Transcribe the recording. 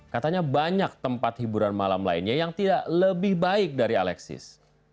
katanya banyak tempat hiburan malam lainnya yang tidak lebih baik dari alexis